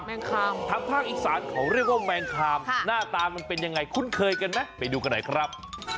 แมงคามทางภาคอีสานเขาเรียกว่าแมงคามหน้าตามันเป็นยังไงคุ้นเคยกันไหมไปดูกันหน่อยครับ